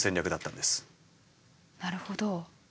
なるほど。